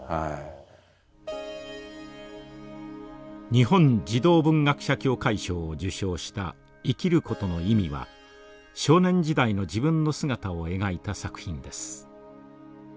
日本児童文学者協会賞を受賞した「生きることの意味」は少年時代の自分の姿を描いた作品です。